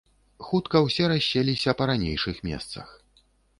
Хутка ўсе расселіся па ранейшых месцах.